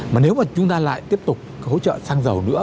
mà nếu mà chúng ta lại tiếp tục hỗ trợ xăng dầu nữa